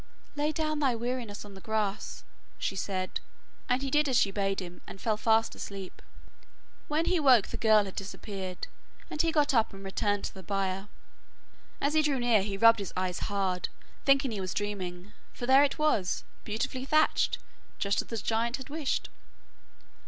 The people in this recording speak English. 'Lay down thy weariness on the grass,' said she, and he did as she bade him, and fell fast asleep. When he woke the girl had disappeared, and he got up, and returned to the byre. As he drew near, he rubbed his eyes hard, thinking he was dreaming, for there it was, beautifully thatched, just as the giant had wished.